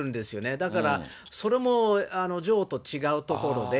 だから、それも女王と違うところで。